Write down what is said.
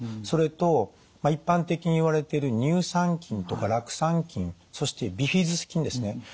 それと一般的にいわれている乳酸菌とか酪酸菌そしてビフィズス菌ですね。